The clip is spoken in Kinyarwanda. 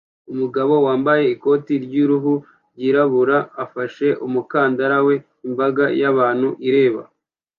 Umugabo wambaye ikoti ryuruhu rwirabura afashe umukandara we imbaga y'abantu ireba